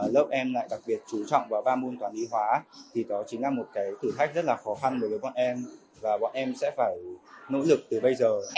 lớp em lại đặc biệt chú trọng vào ba môn toán y hóa thì đó chính là một cái thử thách rất là khó khăn đối với bọn em và bọn em sẽ phải nỗ lực từ bây giờ